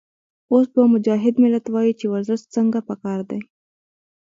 اوس به مجاهد ملت وائي چې ورزش څنګه پکار دے